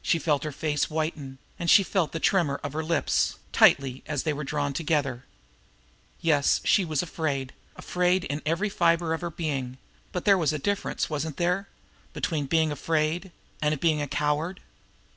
She felt her face whiten, and she felt the tremor of her lips, tightly as they were drawn together. Yes, she was afraid, afraid in every fiber of her being, but there was a difference, wasn't there, between being afraid and being a coward?